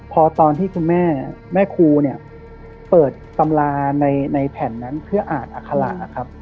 พอตอนที่คุณแม่แม่ครูเนี่ยเปิดตำราในแผ่นนั้นเพื่ออ่านอัคระครับ